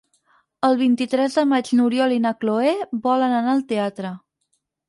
El vint-i-tres de maig n'Oriol i na Cloè volen anar al teatre.